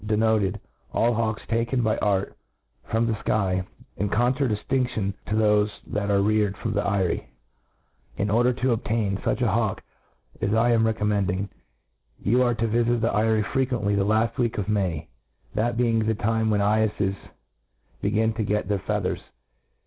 denoted all hawks taken by art from the Iky, in contradiftindion to thofe that are reared, from the eyrie. '^ In order to obtain fuch a hawk as I am recom mending, you are to vifit the eyrie frequently the laft week of May, that being the time when cyeffes begin to get their feathers.